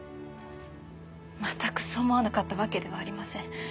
全くそう思わなかったわけではありません。